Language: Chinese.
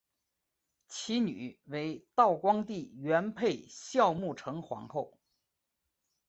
其女为道光帝元配孝穆成皇后。